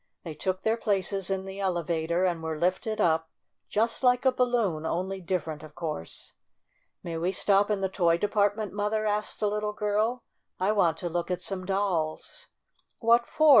They took their places in the elevator and were lifted up, just like a balloon, only different, of course. "May we stop in the toy department, Mother?" asked the little girl. "I want to look at some dolls." "What for?"